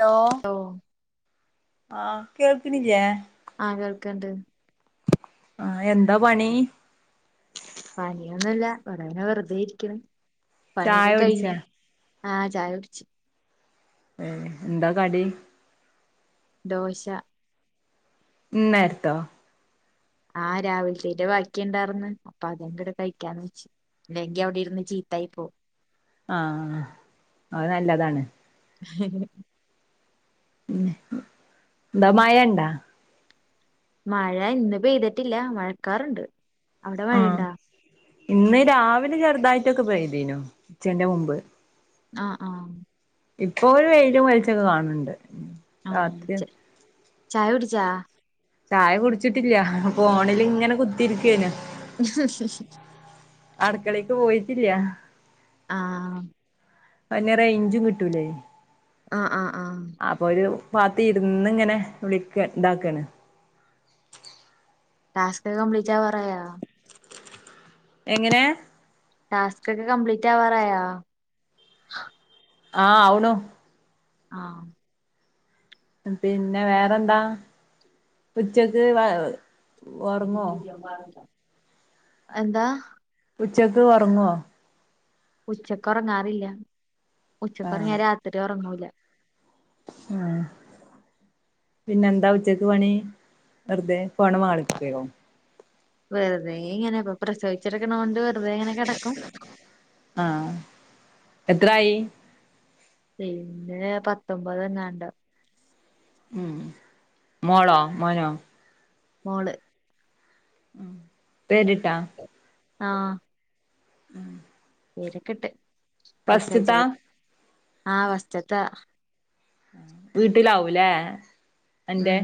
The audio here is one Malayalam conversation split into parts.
ലോ ഓഹ് ആഹ് കേൾക്ക്ണില്ലേ ആഹ് കേൾക്ക്ണ്ട് ആഹ് എന്താ പണി? പണിയൊന്നുല്ല ഇവടെങ്ങനെ വെറ്തെ ഇരിക്ക്ണ് ചായ പണിയൊക്കെ കുടിച്ചാ കഴിഞ്ഞ് ആഹ് ചായ കുട്ച്ച് ഉം എന്താ കടി? ദോശ ഇന്നേര്ത്തോ ആഹ് രാവിൽത്തേന്റെ ബാക്കി ഇണ്ടാർന്ന് അപ്പൊ അതിന്റുടെ കഴിക്കാന്ന് വെച്ച് ഇല്ലെങ്കി അവിടെ ഇരുന്ന് ചീത്തായി പോവും ആഹ് അത് നല്ലതാണ്. ഹ ഉം ന്താ മയണ്ടാ മഴ ഇന്ന് പെയ്തിട്ടില്ല മഴക്കാറ്ണ്ട് ആഹ് ഇന്ന് രാവിലെ ചെറുതായിട്ടൊക്കെ പെയ്തീനു ഉച്ചന്റെ മുമ്പ് ആഹ് ആഹ് ഇപ്പൊ ഒരു വെയിലും വെൾച്ചൊക്കെ കാണ്ണ്ണ്ട് ആഹ് ച ചായ കുടിച്ചാ ചായ കുട്ച്ചിട്ടില്ല. ഫോണില് ഇങ്ങനെ കുത്തിരിക്കേനു അട്ക്കളേക്ക് പോയിട്ടില്ല. ആഹ് ഇപ്പം തന്നെ റേഞ്ചും കിട്ടൂലേ ആഹ് ആഹ് ആഹ് അപ്പൊ ഒരു പാത്തി ഇര്ന്ന് ഇങ്ങനെ വിളിക്ക ഇതാക്കാണ് ടാസ്ക്കൊക്കെ കംബ്ലീറ്റ് ആവാറായോ എങ്ങനെ ടാസ്ക്കൊക്കെ കബീറ്റ് ആവാറായോ ആഹ് ആവണു ആഹ് പിന്നെ വേറെന്താ ഉച്ചക്ക് ഒറങ്ങോ [inaudible] എന്താ ഉച്ചക്ക് ഉറങ്ങോ ഉച്ചക്ക് ഒറങ്ങാറില്ല ഉച്ചക്ക് ഒറങ്ങിയ രാത്രി ഒറങ്ങൂല ആഹ് പിന്നെന്താ ഉച്ചക്ക് പണി വെറുതെ ഫോണിൻമേൽ കളിക്കലൊ വെറുതെ ഇങ്ങനെ ഇപ്പ പ്രസവിച്ച് കെടക്കണോണ്ട് വെറുതെ ഇങ്ങനെ കെടക്കും ആഹ് എത്രായി ഇന്ന് പത്തൊമ്പതെങ്ങാണ്ട് ഉം മോളോ മോനോ മോള് പേരിട്ടോ ആഹ് പേരൊക്കെ ഇട്ട് ഫസ്റ്റ്ത്താ പ്രസവിച്ചപ്പം ആ ഫസ്റ്റ്ത്തെ വീട്ടിലാവുംലേ ഉം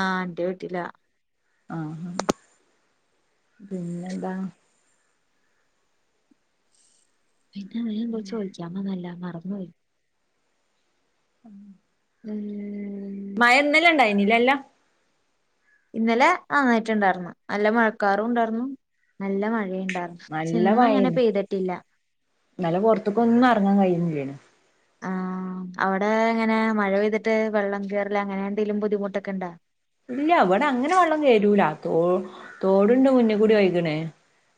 ആഹ് എന്റെ വീട്ടിലാ ആഹ് പിന്നെ എന്താ പിന്നെ വേറെന്തോ ചോദിക്കാൻ വന്നല്ലോ മറന്ന് പോയി ഉം മയ ഇന്നെലെ ഉണ്ടായിനി ഇല്ലല്ലോ ഇന്നലെ നന്നായിട്ടുണ്ടാർന്നു നല്ല മഴക്കാറുണ്ടായിരുന്നു നല്ല മഴയും ഉണ്ടാർന്നു പക്ഷെ നല്ല ഇന്ന് അങ്ങനെ മഴേനി പെയ്തിട്ടില്ല ഇന്നലെ പുറത്ത്ക്കൊന്നും ഇറങ്ങാൻ കഴിയുന്നില്ലേനു അവടെ എങ്ങനെ മഴ പെയ്തിട്ട് വെള്ളം കയറല് അങ്ങനെ എന്തെങ്കിലും ബുദ്ധിമുട്ടൊക്കെ ഇണ്ടോ ഇല്ല ഇവടെ അങ്ങനെ വെള്ളം കേറൂല തോ തോടുണ്ട് മുന്നികൂടെ ഒയ്ക്ണെ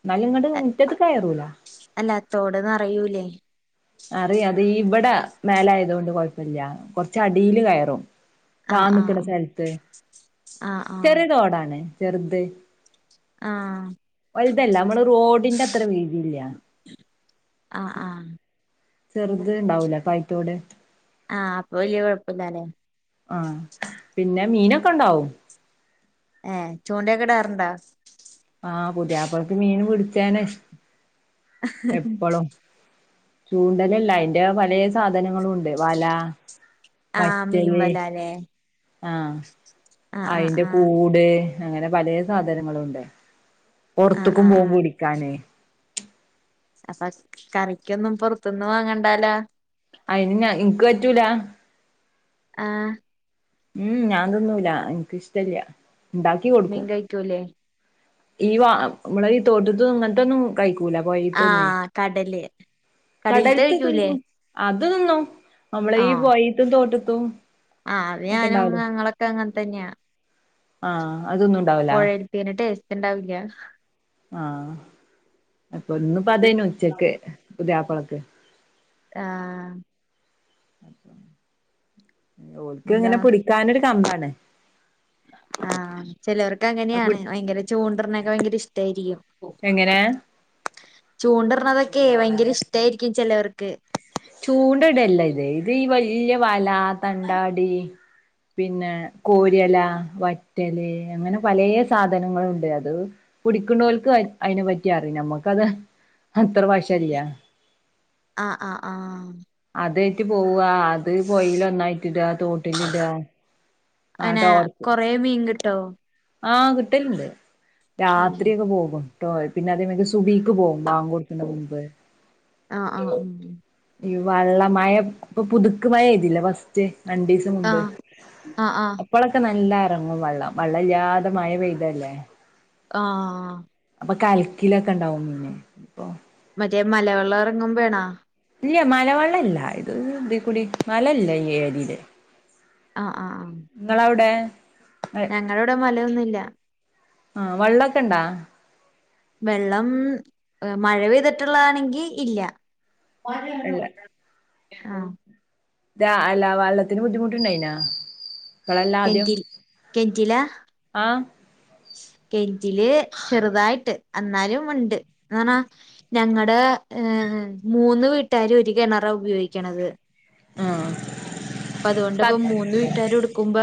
ഇന്നാലും ഇങ്ങട് മുറ്റത്ത്ക്ക് കയറൂല അല്ല തോട് നിറയൂലേ നിറയും അത് ഇവിടെ മേലെ ആയതുകൊണ്ട് കൊഴപ്പമില്ല കൊറച്ച് അടീല് കയറും ആഹ് താന്ന് നിക്ക്ണ ആഹ് സ്ഥലത്ത് ആഹ് ചെറിയ തോടാണ് ചെറുത് ആഹ് ആഹ് വലുതല്ല നമ്മളെ റോഡിന്റെ അത്ര വീതി ഇല്ല ആഹ് ആഹ് ചെറുത് ഉണ്ടാവൂലേ [unintelligible] തോട് ആഹ് അപ്പൊ വലിയ കുഴപ്പം ഇല്ലാല്ലേ ആഹ് പിന്നെ മീനൊക്കെ ഉണ്ടാവും ഏഹ് ചൂണ്ടയൊക്കെ ഇടാറുണ്ടോ ആഹ് പുതിയാപ്പളക്ക് മീന് പിടിച്ചാന് എപ്പളും ചൂണ്ടലല്ല അതിന്റെ വലയ സാധനങ്ങളും ഉണ്ട് വലാ ആഹ മീൻ വലാല്ലേ ആഹ് ആഹ് ആഹ് അയിന്റെ ആഹ് കൂടേ അങ്ങനെ പലെ സാധനങ്ങളും ഉണ്ട് ആഹ് പൊറത്തക്കും ആഹ് പോകും ആഹ് പിടിക്കാന് അപ്പൊ കറിക്കൊന്നും പൊറത്തുന്ന്‌ വാങ്ങണ്ടാലാ അയിന് ഞ ഇനിക്ക് പറ്റൂല്ലാ ആഹ് ഉംഹ് ഞാൻ തിന്നൂല്ലാ എനിക്കിഷ്ടല്ല്യാ ണ്ടാക് മീൻ കഴിക്കൂല്ലേ ഈ വ നമ്മള ഈ തോട്ത്ത് അങ്ങനത്തൊന്നും കഴിക്കൂല്ലാ പുഴെത്തെ ഒന്നുംഏ ആഹ് കടല് കടലത്തെ കഴിക്കൂലേ കടലത്തേക്കൊന്നു അത് തിന്നും നമ്മളയീ ആഹ് പുഴെത്തെ തോട്ടത്തും ആഹ് അത് ഞാനും ഞങ്ങളൊക്കെ അങ്ങനെ തന്നെയാ ആഹ് അതൊന്നും ഇണ്ടാവൂല പുഴലെ തെന്ന് ടേസ്റ്റ് ഉണ്ടാവില്ല ആഹ് അപ്പൊ ഇന്നിപ്പ അതന്നെ ഉച്ചക്ക് പുതിയാപ്പളക്ക് ആഹ് ഓൾക്ക് അതാ ഇങ്ങനെ പിടിക്കാനൊരു കമ്പാണ് ആഹ ചെലവർക്ക് അപ്പൊ അങ്ങനെയാണ് ഭയങ്കര ചൂണ്ടറിണൊക്കെ ഭയങ്കര ഇഷ്ടായിരിക്കും എങ്ങനെ ചൂണ്ടറിണതൊക്കെ ഭയങ്കര ഇഷ്ടായിരിക്കും ചെലവർക്ക് ചൂണ്ട ഇടുവല്ല ഇത് ഇത് ഈ വല്യയ വല തണ്ടാടി പിന്നെ കോരിയല വറ്റല് അങ്ങനെ പലയ സാധനങ്ങളുണ്ട് അത് പുടിക്കണോൽക്ക് അത് അതിനെ പറ്റിയറിയാ നമ്മുക്കത് അത്ര വശല്ലിയാ ആഹ് ആഹ് ആാാ അതേറ്റ് പോവ്വാ അ അത് പൊയിലന്നായിട്ടടുവാ തോട്ടിലിടുവാ ആഹ അങ്ങനെ തോർത്ത് കൊറേ മീൻ കിട്ടോ ആഹ് കിട്ടലുണ്ട് രാത്രിയക്കെ പോകുംട്ടോ പിന്നെ അതേമ്മെക്ക് സുബീക്ക് പോവും ബാങ്കുകൊടത്തിന്റെ മുമ്പ് ആഹ ആഹ് ഉംഹ് ഈ വള്ള മഴ ഇപ്പൊ പുതുക്ക് മഴ എഴുതില്ല ഫസ്റ്റ് രണ്ടീ ന് മുൻപ് ആഹ് ആഹ് ആഹ് അപ്പളൊക്കെ നല്ല ഇറങ്ങും വള്ളം വള്ളല്ലാണ്ട് മഴ പെയ്തല്ലേ ആഹ് ആഹ് ആഹാ അപ്പൊ കൽക്കിലക്കണ്ടാവും മുന്നേ മറ്റേ മലവെള്ളം ഇറങ്ങുമ്പ ആണ ഇല്ലിയാ മലവെള്ളല്ല ഇത് ഇതികൂടി മലല്ല ഈ ഏരിയില് ആഹ് ആഹ് ആാാ നിങ്ങളവിടെ ഞങ്ങളവിടെ മലയൊന്നുല്ലാ ആഹ വള്ളൊക്കെ ഇണ്ടാ വെള്ളം ഹ് മഴ പെയ്തിട്ടുള്ളത് ആണെങ്കിൽ ഇല്ലാ [inaudible] ഇല്ല ആഹ് ഇത് അല്ല വള്ളത്തിന് ബുദ്ധിമുട്ടുണ്ടായിനാ ഇപ്പളല്ല ആദ്യം കെന്റില് കേന്റിലാ ആ കെന്റില് ചെറുതായിട്ട് അന്നാലും ഉണ്ട് അങ്ങന ഞങ്ങടെ ആ മൂന്ന് വീട്ടാരും ഒരു കിണറാ ഉപയോഗിക്കണത് ആഹ് അപ്പൊ അതുകൊണ്ട് ഇപ്പോ മൂന്ന് വീട്ടാരും എടുക്കുംമ്പ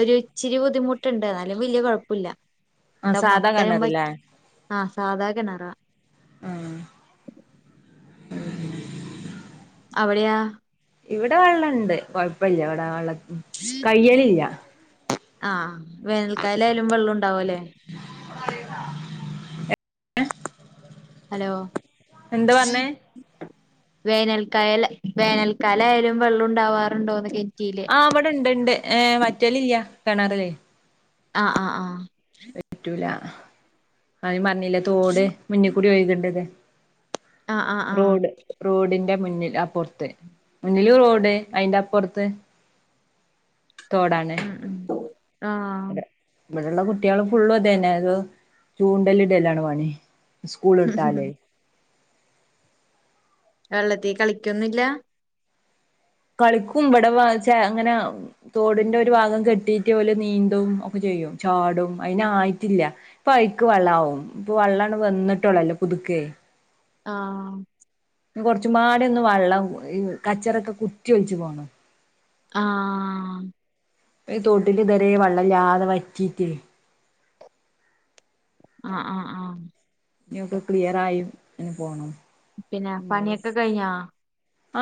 ഒര് ഇച്ചിരി ബുദ്ധിമുട്ട്ണ്ട് എന്നാലും വലൃ കൊഴപ്പില്ല ആ ദാ സാധാ മത്തേം കിണറില്ലേ വറ്റി ആഹ് സാധാ കെണറാ ആഹ് ഉം അവിടെയാ ഇവിടെ വെള്ളണ്ട് കൊഴ്പ്പില്ല ഇവിടെ വെള്ളത്തി ആഹ് വേനൽക്കായലായാലും വെള്ളം ഉണ്ടാവുല്ലേ എഹ് ഹലോ വേനൽക്കയല് വേനൽക്കാലയാലും വെള്ളം ഉണ്ടാവാറുണ്ടോന്ന് കേൺറ്റില് ആ ഇവിടെ ഇണ്ട് ഇണ്ട് ഏ വറ്റലില്ല കെണറില് ആഹ് ആഹ് ആഹ് വറ്റൂല ആദ്യം പറഞ്ഞില്ലേ തോട് മുന്നീക്കൂടി ഒയ്ക്ണ്ടന്ന് ആഹ് ആഹ് ആഹ് ആഹ് റോഡ് റോഡിന്റെ മുന്നിൽ അപ്പോർത്ത് മുന്നില് റോഡ് അയിന്റെ അപ്പുറത്ത് തോടാണ് ഉം ഉം ആഹ് അതെ ഇവിടെള്ള കുട്ടികൾ ഫുള്ള് ഇതെന്നെ അത് ചൂണ്ടല് ഇടലാണ് പണി സ്കൂള് വിട്ടാല് വെള്ളത്തി കളിക്കൊന്നുല്ലാ കളിക്കും ഇവിടെ വെ ചേ അങ്ങന തോടിന്റെ ഒരു ഭാഗം കെട്ടിയിട്ട് ഓല് നീന്തും ഒക്കെ ചെയ്യും ചാടും അയിനായിട്ടില്ല ഇപ്പ അയ്ക്ക് വെള്ളാവും ഇപ്പൊ വെള്ളാണ്ട് വന്നിട്ടൊള്ളല്ലെ പുതുക്കേ ആഹ് കൊറച്ചുമാടെ ഒന്ന് വെള്ളം ഈ കച്ചറൊക്കെ കുറ്റി ഒഴിച്ച് പോണം ആഹ് തോട്ടില് ഇത് വെരെ വെള്ളം ഇല്ലാതെ വറ്റീട്ട് ആഹ് ആഹ് ആഹ് ഇനിപ്പം ക്ലിയറായി ഇനി പോണം പിന്നെ എന്നാല് പണിയൊക്കെ കഴിഞ്ഞാ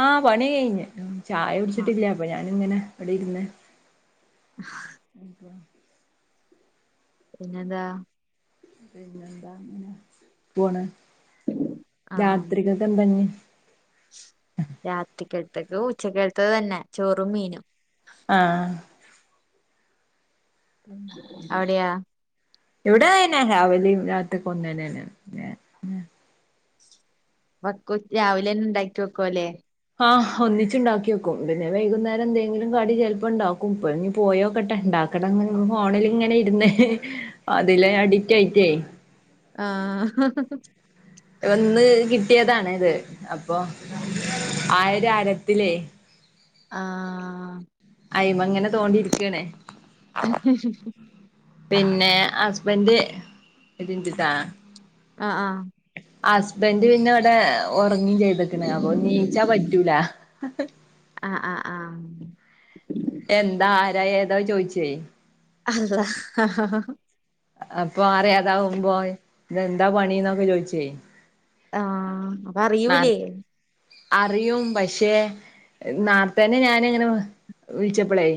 ആഹ് പണി കഴിഞ്ഞ് ചായ ആഹ് കുടിച്ചിട്ടില്ല അപ്പൊ ഞാന് ഇങ്ങനെ ഇവിടിരുന്ന് അതെ പിന്നെന്താ പിന്നെന്താ അങ്ങനെ പോണ് രാത്രികൊക്കെ എന്താഞ്ഞ് രാത്രിക്കകത്തേക്ക് ഉച്ചക്കത്തതന്നെ ചോറും മീനും ആഹ് അവിടെയാ ഇവിടെ ഇതെന്നെ രാവിലെയും രാത്രി കൊന്നനെന്നെ വക്കും ഇജ് രാവിലെന്നെണ്ടാക്കി വെക്കൂല്ലേ ആഹ് ഒന്നിച്ചിണ്ടാക്കിവെക്കും പിന്നെ വൈകുന്നേരം എന്തെങ്കിലും കടി ചെലപ്പ്ണ്ടാക്കും ഇപ്പൊ ഇനി പോയോക്കട്ടെ ഉണ്ടാ ണം അങ്ങനെ ഫോണിലിങ്ങനെ ഇരുന്നേ അതില് അഡിക്റ്റായിട്ടേ ആഹ് ഒന്ന് കിട്ടിയതാണ് ഇത് അപ്പൊ ആയിര അയീരത്തിലേ ആഹ് അയിമങ്ങനെ തോണ്ടിയിരിക്കാണേ [unintelligible] പിന്നെ ഹസ്ബൻഡ് ഇതിന്റെി താ ആഹ് ആഹ് ഹസ്ബൻഡ് പിന്നെ ഇവിടെ ഉറങ്ങിം ചെയ്ത്ക്ക്ണ് അപ്പൊ നീച്ചാൻ പറ്റൂല ആഹ് ആഹ് ആഹ് എന്താ ആരാ ഏതാ ചോയിച്ചേയ് അളളാ ഹ ഹഹ അപ്പൊ അറിയേതാവുമ്പോ ഇത് എന്താ പണിന്നൊക്കെ ചോയിച്ചേയ്യ് ആഹ്, അപ്പൊ അറിയൂലേ? അറിയും പക്ഷെ, ന്നാർതന്നെ, ഞാന്ങ്ങനെ വിളിച്ചപ്പളേ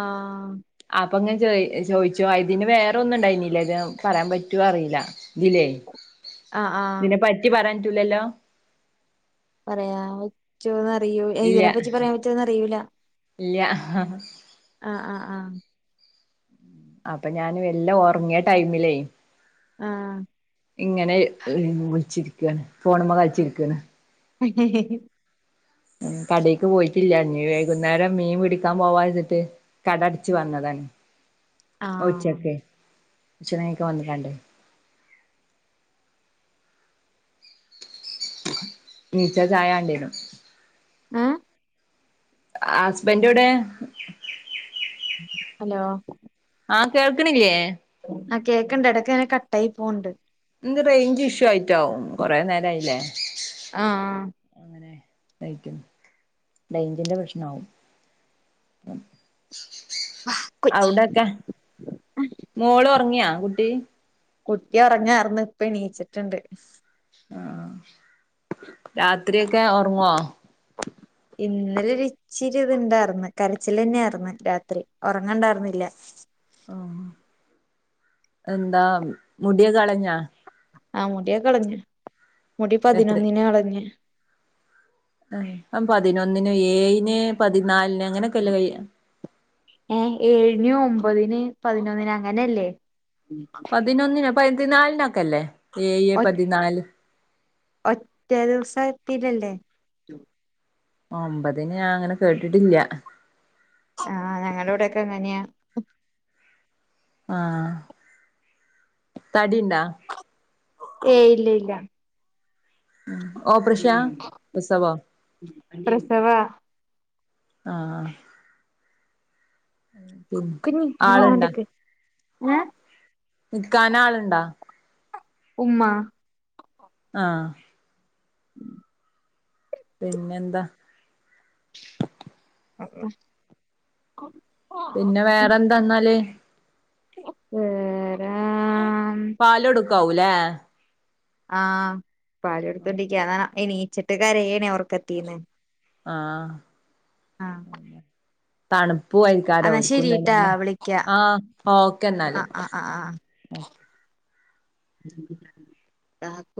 ആഹ് അപ്പൊ ങ്ങനെ ചോയി ചോയിച്ചു. അതിന് വേറെ ഒന്നും ഉണ്ടായിനി ല്ലെ. ഇത് പറയാൻ പറ്റുവോ അറിയില്ല. ഇതില്ലേ, ആഹ് ആഹ് ഇതിനെ പറ്റി പറായാൻ പറ്റൂ ല്ലല്ലോ.? പറയാൻ പറ്റോന്ന് അറിയൂ.. എത് ഈനേപ്പറ്റി പറയാൻ പറ്റോന്ന് അറിയൂല ഇല്ല്യ ഹ ഹ ആഹ് ആഹ് ആഹ് അപ്പൊ ഞൻ വെല്ല ഉറങ്ങിയ ടൈമിലേ ആഹ്.. ഇങ്ങനെ വിളിച്ചിരിക്കുവാണ്. ഫോൺമ്മോ കളിച്ചിരിക്കാണ് ഹ് ഹ് ഹ്.. കടേക്ക് പോയിട്ടില്ല. ഇഞി വൈകുന്നേരം മീൻ പിടിക്കാൻ പോവാച്ചിട്ട് കടഅട്ച്ചു വന്നതാണ്. ആഹ് ഉച്ചക്കെ ഭക്ഷണ കഴിക്കാൻ വന്ന്ക്കാണ്ടേ നീച്ച ചായ വാണ്ടിവരും. ഏഹ് ഹസ്ബൻഡ് എവ്ടെ? ഹലോ? ആഹ് കേൾക്ക്ണില്ലേ? ആഹ് കേൾക്ക്ണ്ട്. ഇടക്ക് അങ്ങനെ കട്ട ആയി പോണ്ട്. ന്ത് റേയ്ഞ്ച് ഇഷ്യൂ ആയിട്ടാവും. കൊറെ നേരായില്ലേ? ആഹ് ആഹ് അങ്ങനെ തായിക്കും. റൈഞ്ചിന്റെ പ്രശ്നമാവും. [unintelligible] അവ്ടൊക്കെ, മോള് ഉറങ്ങിയോ? കുട്ടി കുട്ടി ഉറങ്ങാർന്ന്, ഇപ്പണീച്ചിട്ടുണ്ട്. ആഹ് ആഹ് രാത്രി ഒക്കെ ഓറങ്ങോ? ഇന്നലെ ഒര് ഇച്ചിരി ഇത് ഇണ്ടാർന്ന്. കരച്ചിൽ തന്നെയാർന്ന് രാത്രി ഉറങ്ങണ്ടായിര്ന്നില്ല. ഓ എന്താ മുടി കളഞ്ഞാ? ആഹ് മുടി ഒക്കെ കളഞ്ഞ്. മുടി എത്ര പതിനൊന്നിന് കളഞ്ഞ് അം പതിനൊന്നിന്, ഏഴിൻ, പതിനാലിന്, അങ്ങനെയൊക്കെല്ല കഴി ഏഹ് ഏഴിന് ഒമ്പതിന് പതിനൊന്നിന് അങ്ങനെയല്ലേ? പതിനൊന്നിന് പതിനാലിനൊക്കെ അല്ലേ? ഏഴ്, ഒ പതിനാല് ഒറ്റ ദിവസത്തില് ല്ലേ? ഒമ്പതിന് ഞാൻ അങ്ങനെ കേട്ടിട്ടില്ല. ആഹ്.. ഞങ്ങടെ വിടെയൊക്കെ അങ്ങനെയാ. ആഹ് തടിണ്ടാ ഏയ് ഇല്ല ഇല്ല ഓപ്പറേഷാ പ്രസവോ പ്രസവാ ആഹ് പിന്നെ കുഞ്ഞി ആളുണ്ടാ മിണ്ടാണ്ടിക്ക് ഏ നിക്കാന ആളുണ്ടാ ഉമ്മ ആഹ് പിന്നെ എന്താ ആഹ പിന്നെ വേറെ എന്താന്നാല് വേറെ പാൽ കൊടുക്കാവും ലേ ആഹ് പാലൊട്ത്തോണ്ടിരിക്ക എണീച്ചിട്ട് കരയെണെ ഒറ്ക്കത്തീന്ന് ആഹ് തണ് പൂവായ്ക്കാരം എന്നാ ഓൽക്കുന്നല്ലെ ശരിട്ടാ നമ്മെആഹ് ഓക്കെ ഇന്നാല് ആഹ് [unintelligible]